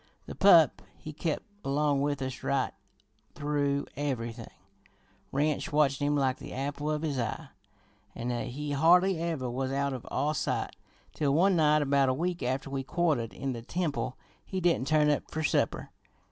The pup he kep' along with us right through everything; Ranch watchin' him like the apple of his eye, an' he hardly ever was out of our sight, till one night about a week after we quartered in the temple he didn't turn up fer supper.